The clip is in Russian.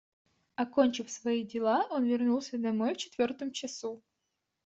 Окончив свои дела, он вернулся домой в четвертом часу.